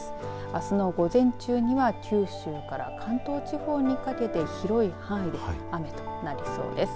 あすの午前中には九州から関東地方にかけて広い範囲で雨となりそうです。